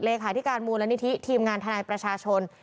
ิงขายที่การมูลและนิทิตีมทีมงานทนายประชาชน